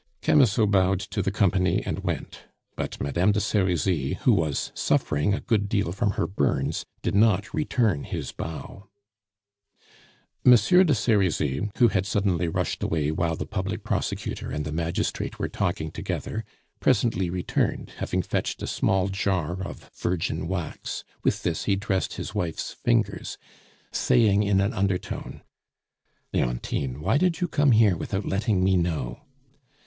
Camusot bowed to the company and went; but Madame de Serizy, who was suffering a good deal from her burns, did not return his bow. Monsieur de Serizy, who had suddenly rushed away while the public prosecutor and the magistrate were talking together, presently returned, having fetched a small jar of virgin wax. With this he dressed his wife's fingers, saying in an undertone: "Leontine, why did you come here without letting me know?"